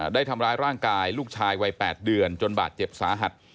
ได้ทำร้ายร่างกายลูกชายวัย๘เดือนจนบาดเจ็บสาหัส